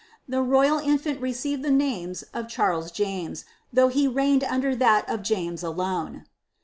The royal infant received the names of Charles James, though he reigned under that of James alone.